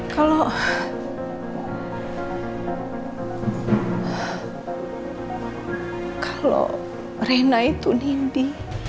kalau kalau kalau rena itu nindi